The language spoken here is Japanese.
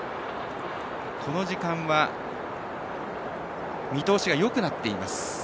この時間は見通しがよくなっています。